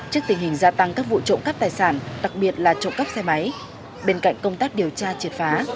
trước tình hình gia tăng các vụ trộm cắp tài sản đặc biệt là trộm cắp xe máy bên cạnh công tác điều tra triệt phá